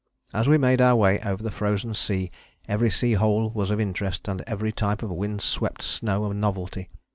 As we made our way over the frozen sea every seal hole was of interest, and every type of wind swept snow a novelty.